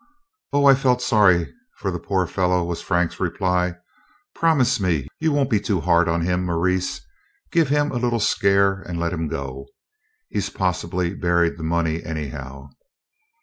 "Oh, I felt sorry for the poor fellow," was Frank's reply. "Promise me you won't be too hard on him, Maurice. Give him a little scare and let him go. He 's possibly buried the money, anyhow."